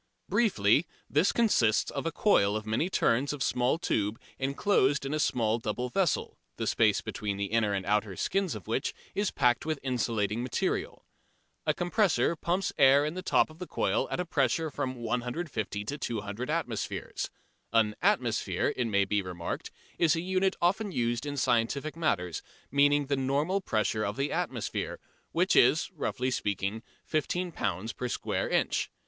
Briefly, this consists of a coil of many turns of small tube enclosed in a small double vessel, the space between the inner and outer skins of which is packed with insulating material. A compressor pumps air in at the top of the coil at a pressure of from 150 to 200 atmospheres. An "atmosphere," it may be remarked, is a unit often used in scientific matters, meaning the normal pressure of the atmosphere, which is, roughly speaking, 15 lb. per square inch.